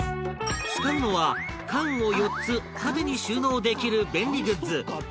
使うのは缶を４つ縦に収納できる便利グッズ